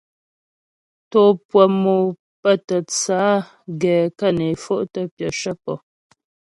Tò pʉə̀ mò pə́ tə tsə á gɛ kə́ né fo'tə pyəshə pɔ.